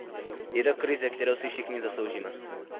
Je to krize, kterou si všichni zasloužíme.